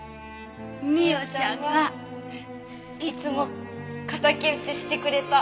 ミヨちゃんはいつも敵討ちしてくれた。